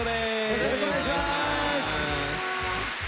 よろしくお願いします。